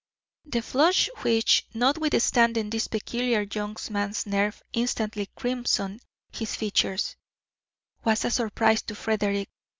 The flush which, notwithstanding this peculiar young man's nerve, instantly crimsoned his features, was a surprise to Frederick.